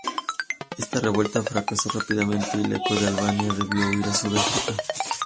Esta revuelta fracasó rápidamente y Leka de Albania debió huir a Sudáfrica.